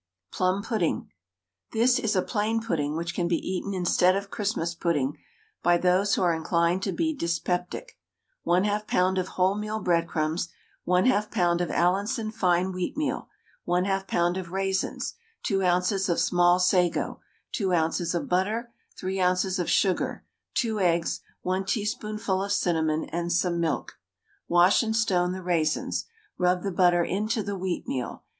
PLUM PUDDING. This is a plain pudding which can be eaten instead of Christmas pudding by those who are inclined to be dyspeptic 1/2 lb. of wholemeal breadcrumbs, 1/2 lb. of Allinson fine wheatmeal, 1/2 lb. of raisins, 2 oz. of small sago, 2 oz. of butter, 3 oz. of sugar, 2 eggs, 1 teaspoonful of cinnamon, and some milk. Wash and stone the raisins. Rub the butter into the wheatmeal.